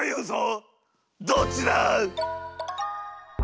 どっちだ？